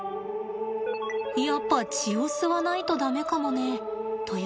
やっぱ血を吸わないと駄目かもね。という